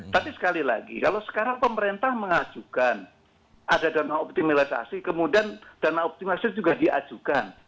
tapi sekali lagi kalau sekarang pemerintah mengajukan ada dana optimalisasi kemudian dana optimasi juga diajukan